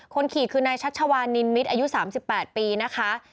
ขี่คือนายชัชวานินมิตรอายุ๓๘ปีนะคะ